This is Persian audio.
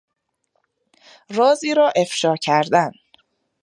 رازی را افشا کردن